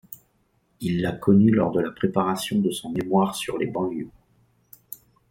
Il l'a connu lors de la préparation de son mémoire sur les banlieues.